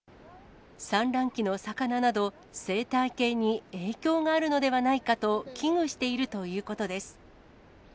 産卵期の魚など、生態系に影響があるのではないかと、危惧しているということです。